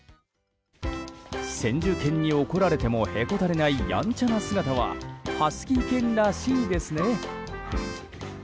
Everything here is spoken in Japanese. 先住犬に怒られてもへこたれない、やんちゃな姿はハスキー犬らしいですね。